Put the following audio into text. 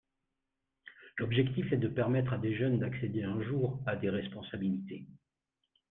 L’objectif est de permettre à des jeunes d’accéder un jour à des responsabilités.